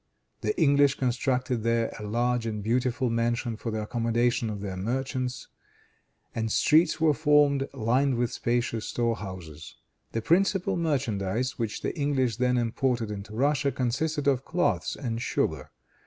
The English constructed there a large and beautiful mansion for the accommodation of their merchants, and streets were formed, lined with spacious storehouses. The principal merchandise which the English then imported into Russia consisted of cloths and sugar.